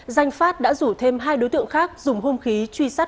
danh pháp đã rủ thêm hai đối tượng khác dùng hôm khí truy sát